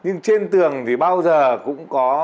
nhưng trên tường thì bao giờ cũng có